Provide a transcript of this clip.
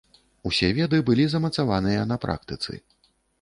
Усе веды былі замацаваныя на практыцы.